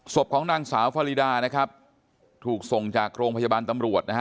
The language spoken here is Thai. ศพของนางสาวฟารีดานะครับถูกส่งจากโรงพยาบาลตำรวจนะฮะ